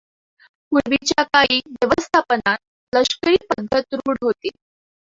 पूर्वीच्या काळी व्यवस्थापनात ‘लष्करी ’ पध्दत रूढ होती.